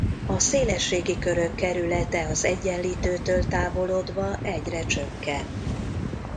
A szélességi körök kerülete az Egyenlítőtől távolodva egyre csökken.